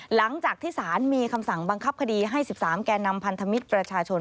หลังจากที่สารมีคำสั่งบังคับคดีให้๑๓แก่นำพันธมิตรประชาชน